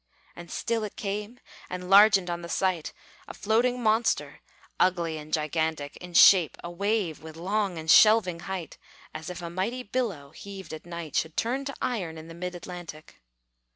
And still it came, and largened on the sight; A floating monster; ugly and gigantic; In shape, a wave, with long and shelving height, As if a mighty billow, heaved at night, Should turn to iron in the mid Atlantic.